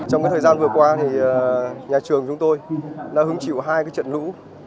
trong cái thời gian vừa qua thì nhà trường chúng tôi đã hứng chịu hai cái trận lũ